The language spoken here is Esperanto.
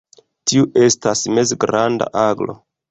Tiu estas mezgranda aglo.